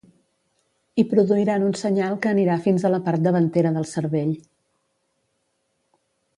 I produiran un senyal que anirà fins a la part davantera del cervell